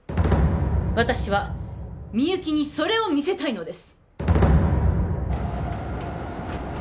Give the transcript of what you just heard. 私はみゆきにそれを見せたいのです